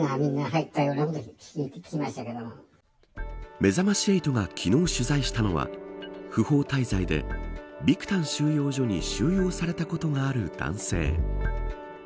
めざまし８が昨日取材したのは不法滞在でビクタン収容所に収容されたことがある男性。